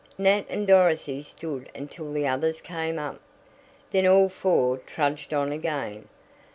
Nat and Dorothy stood until the others came up. Then all four trudged on again.